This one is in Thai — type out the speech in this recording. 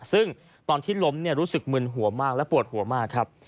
ซึ่งตอนที่ล้มรู้สึกมึนหัวมากและปวดหัวมากครับ